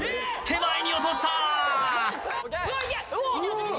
手前に落とした！